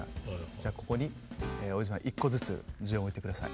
じゃあここに大泉さん１個ずつ１０円置いて下さい。